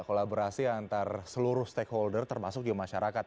kolaborasi antar seluruh stakeholder termasuk juga masyarakat